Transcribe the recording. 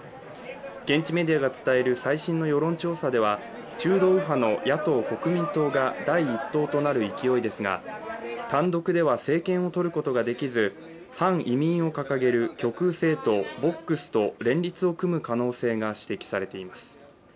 現地メディアが伝える最新の世論調査では中道右派の野党・国民党が第一党となる勢いですが単独では政権をとることができず反移民を掲げる極右政党ＶＯＸと連立を組む可能性が指摘されています。